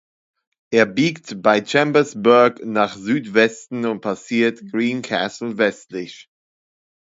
Er biegt bei Chambersburg nach Südwesten und passiert Greencastle westlich.